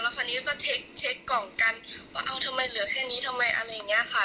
คราวนี้ก็เช็คกล่องกันว่าเอาทำไมเหลือแค่นี้ทำไมอะไรอย่างนี้ค่ะ